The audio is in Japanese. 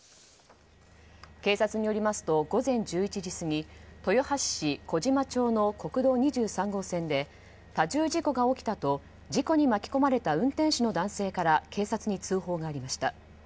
警察によりますと午前１１時過ぎ豊橋市小島町の国道２３号線で多重事故が起きたと事故に巻き込まれた運転手の男性から警察に通報がありました。